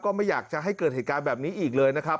ไม่อยากจะให้เกิดเหตุการณ์แบบนี้อีกเลยนะครับ